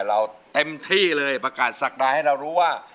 เราเต็มที่เลยประกาศศักดาให้เรารู้ว่า